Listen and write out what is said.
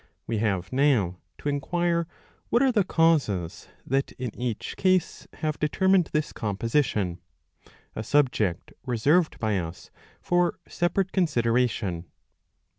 ^ We have now to inquire what are the causes that in each case have determined this composition ; a subject reserved by us for separate consideration.